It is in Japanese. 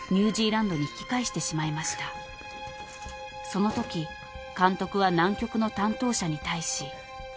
［そのとき監督は南極の担当者に対し］